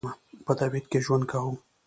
په تبعید کې ژوند کاوه.